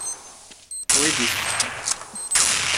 Wi d isefka.